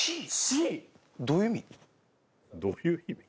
「どういう意味」。